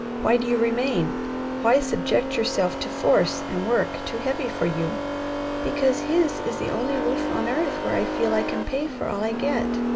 Why do you remain? Why subject yourself to force and work too heavy for you?" "Because his is the only roof on earth where I feel I can pay for all I get.